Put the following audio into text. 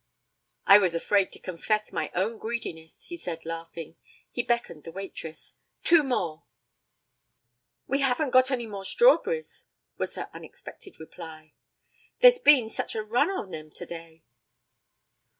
'I was afraid to confess my own greediness,' he said, laughing. He beckoned the waitress. 'Two more.' 'We haven't got any more strawberries,' was her unexpected reply. 'There's been such a run on them today.'